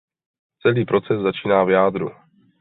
Celý proces začíná v jádru.